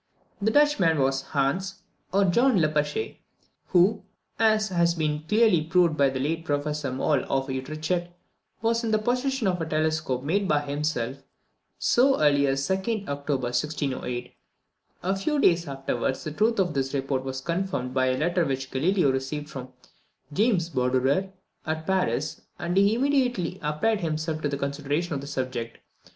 This Dutchman was Hans or John Lippershey, who, as has been clearly proved by the late Professor Moll of Utrecht, was in the possession of a telescope made by himself so early as 2d October 1608. A few days afterwards, the truth of this report was confirmed by a letter which Galileo received from James Badorere at Paris, and he immediately applied himself to the consideration of the subject.